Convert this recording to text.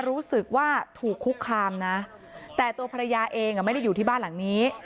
รู้สึกว่าถูกคุกคามนะแต่ตัวภรรยาเองไม่ได้อยู่ที่บ้านหลังนี้